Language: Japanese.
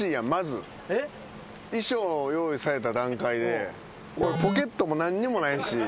衣装用意された段階で俺ポケットも何にもないし。